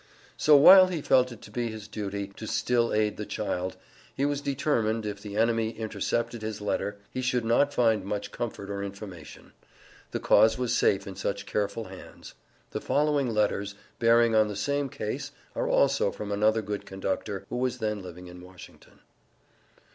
So, while he felt it to be his duty, to still aid the child, he was determined, if the enemy intercepted his letter, he should not find much comfort or information. The cause was safe in such careful hands. The following letters, bearing on the same case, are also from another good conductor, who was then living in Washington.